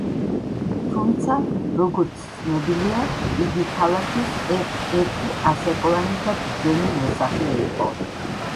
თუმცა, როგორც ცნობილია, იგი ქალაქის ერთ-ერთი ასაკოვანი და ბრძენი მოსახლე იყო.